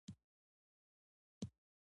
انیلا وخندل او په طنز یې خبرې وکړې